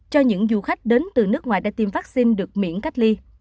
cho những du khách đến từ nước ngoài đã tiêm vaccine được miễn cách ly